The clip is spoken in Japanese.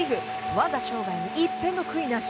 わが生涯に一片の悔いなし！